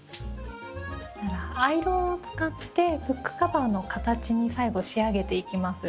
アイロンを使ってブックカバーの形に最後仕上げていきます。